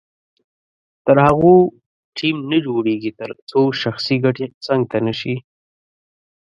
تر هغو ټیم نه جوړیږي تر څو شخصي ګټې څنګ ته نه شي.